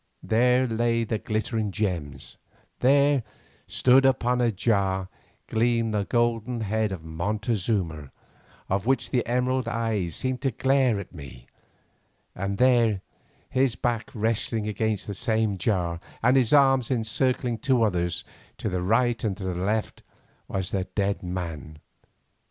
There lay the glittering gems; there, stood upon a jar, gleamed the golden head of Montezuma, of which the emerald eyes seemed to glare at me, and there, his back resting against this same jar, and his arms encircling two others to the right and left, was the dead man.